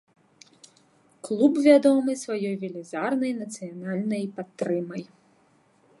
Клуб вядомы сваёй велізарнай нацыянальнай падтрымай.